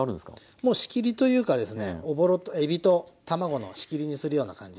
もう仕切りというかですねえびと卵の仕切りにするような感じですかね。